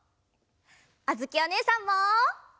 あづきおねえさんも！